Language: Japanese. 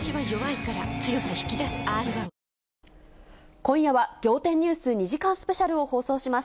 今夜は、仰天ニュース２時間スペシャルを放送します。